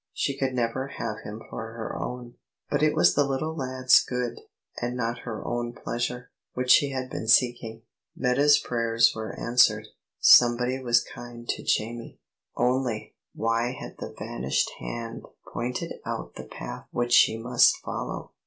She could never have him for her own. But it was the little lad's good, and not her own pleasure, which she had been seeking. Meta's prayers were answered; somebody was kind to Jamie. Only, why had the vanished hand pointed out the path which she must follow?